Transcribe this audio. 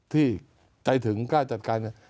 ที่ใจถึงกล้าจัดการ